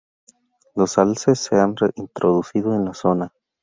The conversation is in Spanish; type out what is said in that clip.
Los alces se han reintroducido en la zona.